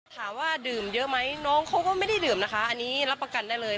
ถามว่าดื่มเยอะไหมน้องเขาก็ไม่ได้ดื่มนะคะอันนี้รับประกันได้เลย